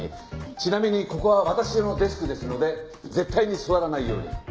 ちなみにここは私のデスクですので絶対に座らないように。